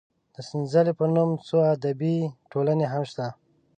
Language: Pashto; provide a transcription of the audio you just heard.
د سنځلې په نوم څو ادبي ټولنې هم شته.